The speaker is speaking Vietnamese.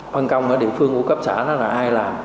phân công ở địa phương của cấp xã đó là ai làm